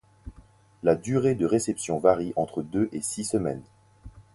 La durée de réception varie entre deux et six semaines.